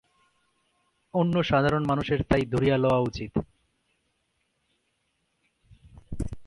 অন্য সাধারণ মানুষের তাই ধরিয়ালওয়া উচিত।